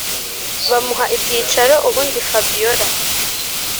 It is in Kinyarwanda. bamuha ibyicaro ubundi fabiora